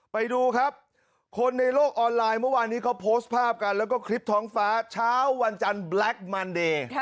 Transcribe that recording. ไปดูครับคนในโลกออนไลน์เมื่อวานนี้เขาโพสต์ภาพกันแล้วก็คลิปท้องฟ้าเช้าวันจันทร์แบล็คมันเดย์